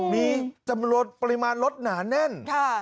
มีจำนวนปริมาณรถหนาแน่น